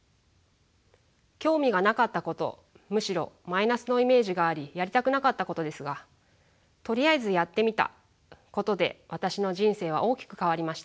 興味がなかったことむしろマイナスのイメージがありやりたくなかったことですがとりあえずやってみたことで私の人生は大きく変わりました。